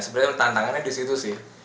sebenarnya tantangannya di situ sih